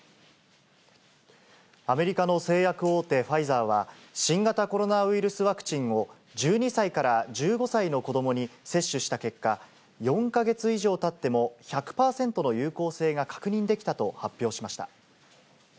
アメリカの製薬大手、ファイザーは、新型コロナウイルスワクチンを１２歳から１５歳の子どもに接種した結果、４か月以上たっても１００％の有効性が確認できたと発表しました。